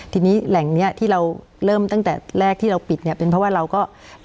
ทีนี้แหล่งเนี้ยที่เราเริ่มตั้งแต่แรกที่เราปิดเนี่ยเป็นเพราะว่าเราก็